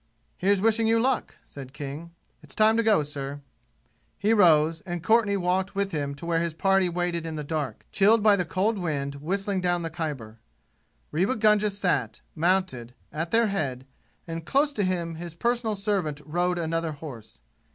"Here's wishing you luck!" said King. "It's time to go, sir." He rose, and Courtenay walked with him to where his party waited in the dark, chilled by the cold wind whistling down the Khyber. Rewa Gunga sat, mounted, at their head, and close to him his personal servant rode another horse.